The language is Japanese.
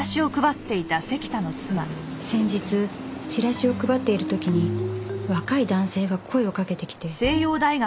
先日チラシを配っている時に若い男性が声をかけてきて。